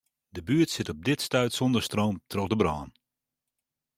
De buert sit op dit stuit sûnder stroom troch de brân.